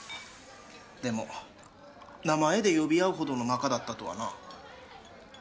でも名前で呼び合うほどの仲だったとはな。